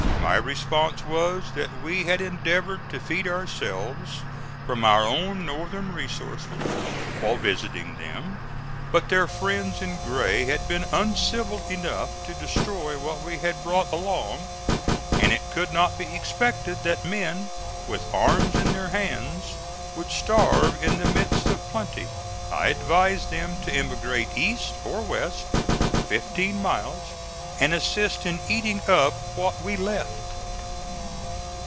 My response was that we had endeavored to feed ourselves from our own northern resources while visiting them; but their friends in gray had been uncivil enough to destroy what we had brought along, and it could not be expected that men, with arms in their hands, would starve in the midst of plenty. I advised them to emigrate east, or west, fifteen miles and assist in eating up what we left.